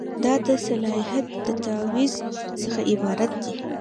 دا د صلاحیت د تعویض څخه عبارت دی.